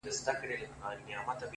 په سپورږمۍ كي زمــــا پــيــــر دى،